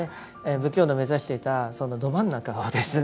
仏教の目指していたそのど真ん中をですね。